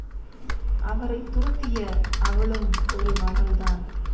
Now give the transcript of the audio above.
அவரைத் துரத்திய அவளும் ஒரு மகள் தான்.